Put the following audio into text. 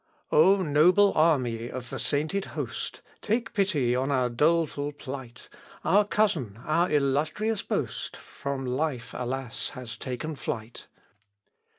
O noble army of the sainted host, Take pity on our doleful plight; Our cousin, our illustrious boast, From life, alas, has taken flight.